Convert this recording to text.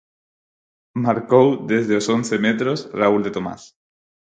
Marcou desde os once metros Raúl de Tomás.